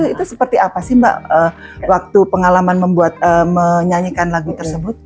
itu seperti apa sih mbak waktu pengalaman membuat menyanyikan lagu tersebut